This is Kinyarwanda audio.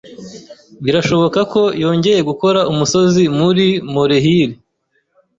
Birashoboka ko yongeye gukora umusozi muri molehill.